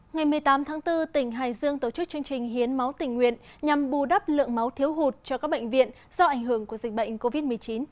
ngày một mươi tám tháng bốn tỉnh hải dương tổ chức chương trình hiến máu tình nguyện nhằm bù đắp lượng máu thiếu hụt cho các bệnh viện do ảnh hưởng của dịch bệnh covid một mươi chín